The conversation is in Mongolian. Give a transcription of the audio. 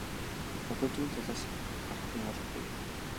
Одоо зүүн талаас гарах хүн алга гэв.